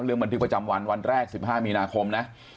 เรื่องบัติประจำวันวันแรก๑๕มีนาคมนะ